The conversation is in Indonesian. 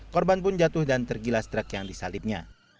korban pun jatuh dan tergilas truk yang disalibnya